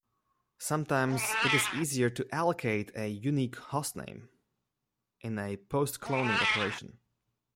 Sometimes it is easier to allocate a unique hostname in a post-cloning operation.